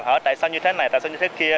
hỏi tại sao như thế này tại sao như thế kia